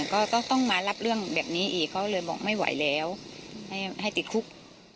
ก็ต้องมารับเรื่องแบบนี้อีกเขาเลยบอกไม่ไหวแล้วให้ติดคุก